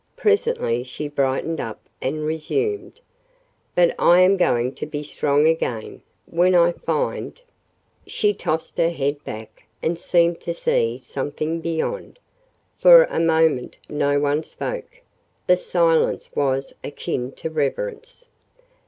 Presently she brightened up and resumed: "But I am going to be strong again. When I find " She tossed her head back and seemed to see something beyond. For a moment no one spoke. The silence was, akin to reverence.